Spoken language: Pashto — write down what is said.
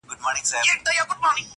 هغه چي ته یې د غیرت له افسانو ستړی سوې!